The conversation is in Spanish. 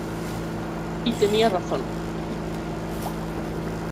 Y tenía razón.